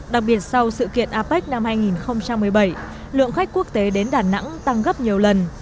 đặc biệt sau sự kiện apec năm hai nghìn một mươi bảy lượng khách quốc tế đến đà nẵng tăng gấp nhiều lần